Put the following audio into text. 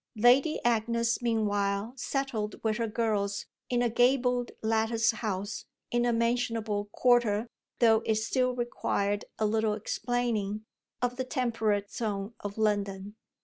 Lady Agnes meanwhile settled with her girls in a gabled, latticed house in a mentionable quarter, though it still required a little explaining, of the temperate zone of London.